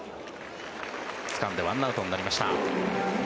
つかんで１アウトになりました。